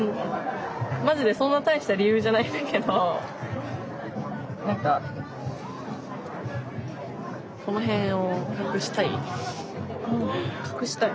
マジでそんな大した理由じゃないんだけど何か隠したい？